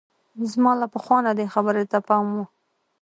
زما له پخوا نه دې خبرې ته پام وو.